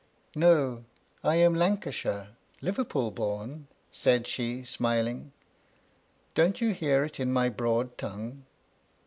No, I am Lancashh e — Liverpool bom," said she, smiling. Don't you hear it in my broad tongue